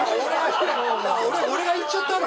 俺が言っちゃったの？